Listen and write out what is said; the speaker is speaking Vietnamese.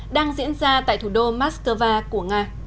đang diễn ra tại thủ đô moscow của nga